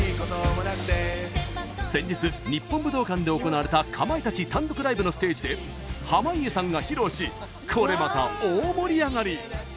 先日、日本武道館で行われたかまいたち単独ライブのステージで濱家さんが披露しこれまた大盛り上がり。